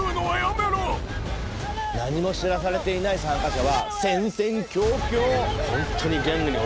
何も知らされていない参加者は戦々恐々。